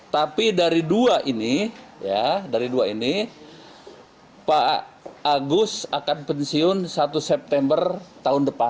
tapi dari dua ini ya dari dua ini pak agus akan pensiun satu september tahun depan